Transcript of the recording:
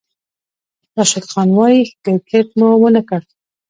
راشد خان وايي، "ښه کرېکټ مو ونه کړ"